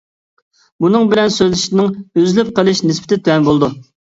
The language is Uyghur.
بۇنىڭ بىلەن سۆزلىشىشنىڭ ئۈزۈلۈپ قېلىش نىسبىتى تۆۋەن بولىدۇ.